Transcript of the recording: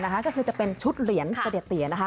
ก็คือจะเป็นชุดเหรียญเสด็จเตียนะคะ